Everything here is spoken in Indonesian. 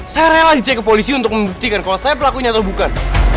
saya rela dicek ke polisi untuk membuktikan kalau saya pelakunya atau bukan